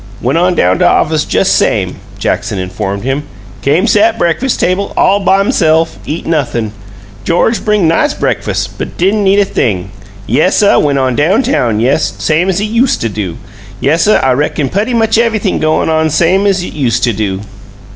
"Went on down to 's office, jes' same," Jackson informed him. "Came sat breakfas' table, all by 'mself; eat nothin'. George bring nice breakfas', but he di'n' eat a thing. Yessuh, went on down town, jes' same he yoosta do. Yessuh, I reckon putty much ev'y thing goin' go on same as it yoosta do."